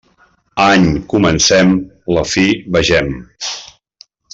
Any comencem; la fi vegem.